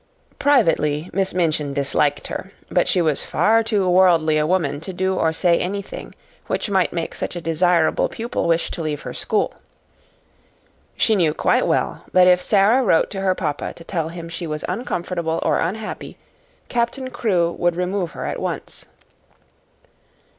Privately Miss Minchin disliked her, but she was far too worldly a woman to do or say anything which might make such a desirable pupil wish to leave her school. She knew quite well that if Sara wrote to her papa to tell him she was uncomfortable or unhappy, Captain Crewe would remove her at once.